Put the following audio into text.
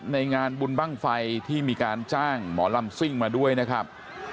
ในงานบุญบ้างไฟที่มีการจ้างหมอลำซิ่งมาด้วยนะครับ